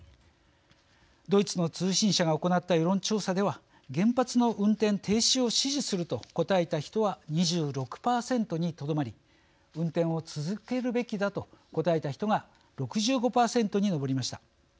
ドイツの通信社が行った世論調査では原発の運転停止を支持すると答えた人は２６％にとどまり運転を続けるべきだと答えた人が６５％に上りました。